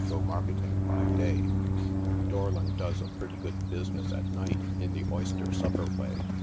51 go marketing by day. Dorlon does a pretty good business at night, in the oyster supper way.